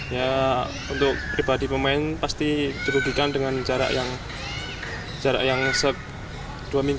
ya untuk pribadi pemain pasti dirugikan dengan jarak yang dua minggu